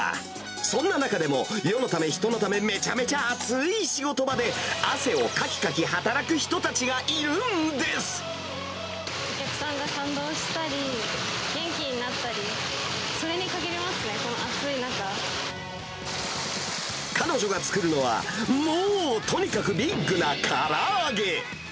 そんな中でも世のため、人のため、めちゃめちゃ暑い仕事場で、汗をかきかき働く人たちがいるんお客さんが感動したり、元気になったり、彼女が作るのは、もうとにかくビッグなから揚げ。